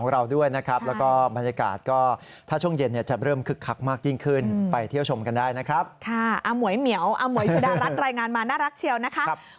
รายงานจากถนนเยาวราชค่ะ